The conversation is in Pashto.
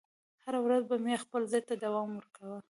هره ورځ به مې خپل ضد ته دوام ورکاوه